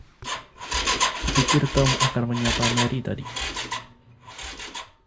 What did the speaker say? Ku pikir Tom akan menyapa Mary tadi.